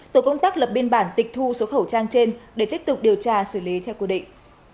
tổ công tác lập biên bản tịch thu số khẩu trang trên để tiếp tục điều tra xử lý theo quy định